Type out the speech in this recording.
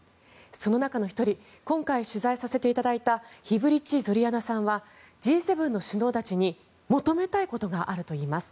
その中の１人今回取材させていただいたヒブリッチ・ゾリャナさんはＧ７の首脳たちに求めたいことがあるといいます。